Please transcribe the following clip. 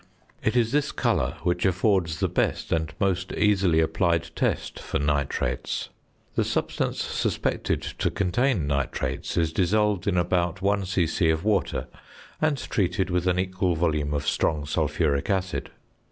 It is this colour which affords the best and most easily applied test for nitrates. The substance suspected to contain nitrates is dissolved in about 1 c.c. of water, and treated with an equal volume of strong sulphuric acid.